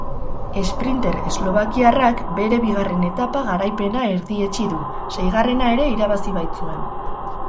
Esprinter eslovakiarrak bere bigarren etapa garaipena erdietsi du, seigarrena ere irabazi baitzuen.